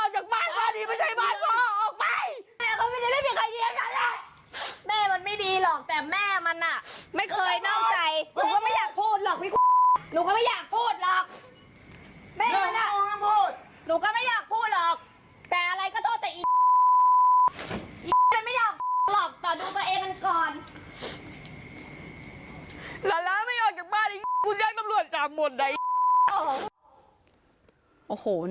ต่อะดูตัวเองก่อน